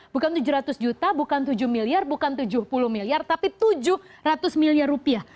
bukan tujuh ratus juta bukan tujuh miliar bukan tujuh puluh miliar tapi tujuh ratus miliar rupiah